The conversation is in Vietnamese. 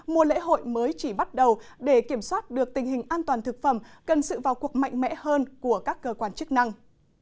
mùa lễ hội mới chỉ bắt đầu để kiểm soát được tình hình an toàn thực phẩm cần sự vào cuộc mạnh mẽ hơn của các cơ quan chức năng